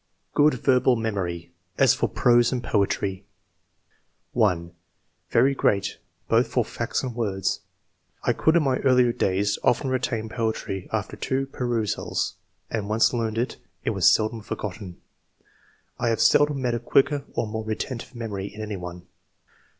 Good verbal memory, as for p7ose and poetry. 1. " Very great, both for facts and words ; I could in my earlier days often retain poetry after two perusals, and once learned, it was seldom forgotten. I have seldom met a quicker or more retentive memory in any one."